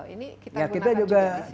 ini kita gunakan juga di sini